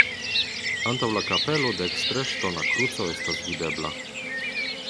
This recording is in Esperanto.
Antaŭ la kapelo dekstre ŝtona kruco estas videbla.